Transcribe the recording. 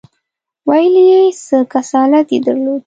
ویل یې یو څه کسالت یې درلود.